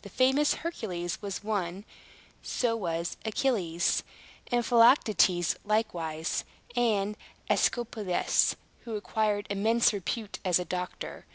The famous Hercules was one, and so was Achilles, and Philoctetes likewise, and Aesculapius, who acquired immense repute as a doctor.